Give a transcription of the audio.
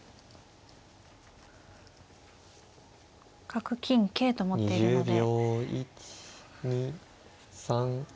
角金桂と持っているので。